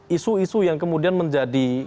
isu isu yang kemudian menjadi